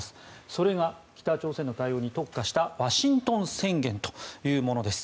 それが、北朝鮮の対応に特化したワシントン宣言というものです。